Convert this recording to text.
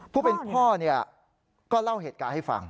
ผู้เป็นพ่อก็เล่าเหตุการณ์ให้ฟัง